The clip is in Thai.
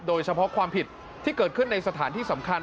โดยเฉพาะความผิดที่เกิดขึ้นในสถานที่สำคัญ